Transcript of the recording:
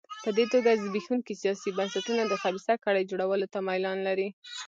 په دې توګه زبېښونکي سیاسي بنسټونه د خبیثه کړۍ جوړولو ته میلان لري.